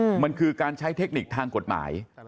อืมมันคือการใช้เทคนิคทางกฎหมาย